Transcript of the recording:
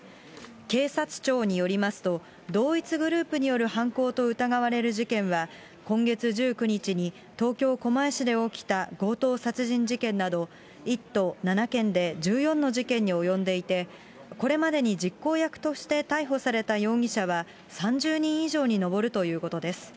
警察庁によりますと、同一グループによる犯行と疑われる事件は、今月１９日に東京・狛江市で起きた強盗殺人事件など、１都７県で１４の事件に及んでいて、これまでに実行役として逮捕された容疑者は、３０人以上に上るということです。